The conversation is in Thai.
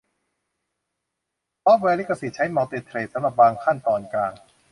ซอฟต์แวร์ลิขสิทธิ์ใช้มัลติเธรดสำหรับบางขั้นตอนกลาง